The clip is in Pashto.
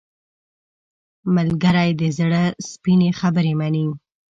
ملګری د زړه سپینې خبرې مني